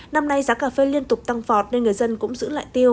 năm nay giá cà phê liên tục tăng vọt nên người dân cũng giữ lại tiêu